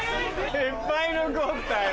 ・いっぱい残ったよ。